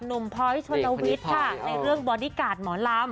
หนุ่มพอยชวนวิคค่ะในเรื่องบอนดีการ์ดเหมาะลำ